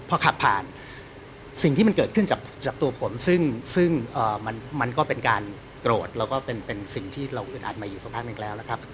พอขับผ่านสิ่งที่มันเกิดขึ้นจากตัวผมซึ่งมันก็เป็นการโกรธแล้วก็เป็นสิ่งที่เราอึดอัดมาอยู่สักพักหนึ่งแล้วนะครับ